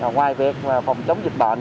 ngoài việc phòng chống dịch bệnh